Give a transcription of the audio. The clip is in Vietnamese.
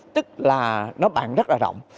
tức là nó bàn rất là rộng